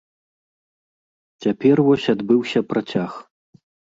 Цяпер вось адбыўся працяг.